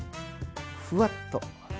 ふわっと。